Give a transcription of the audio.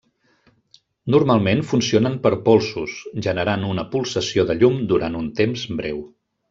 Normalment funcionen per polsos, generant una pulsació de llum durant un temps breu.